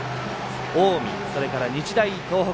近江、それから日大東北。